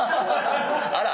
あら。